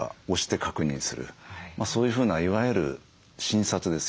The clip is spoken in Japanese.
そういうふうないわゆる診察ですよね。